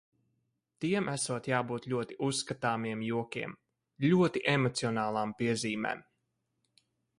Tiem esot jābūt ļoti uzskatāmiem jokiem, ļoti emocionālām piezīmēm.